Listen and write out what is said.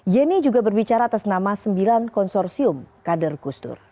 yeni juga berbicara atas nama sembilan konsorsium kader gusdur